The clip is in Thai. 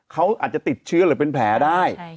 เขาอาจจะติดเชื้อหรือเป็นแผลได้